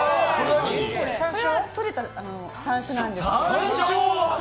これはとれた山椒なんですけど。